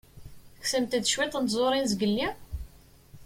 Tekksemt-d cwiṭ n tẓuṛin zgelli?